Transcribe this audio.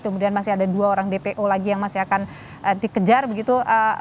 kemudian masih ada dua orang dpo lagi yang masih akan dikejar begitu